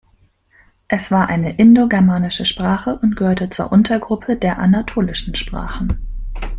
Es war eine indogermanische Sprache und gehörte zur Untergruppe der anatolischen Sprachen.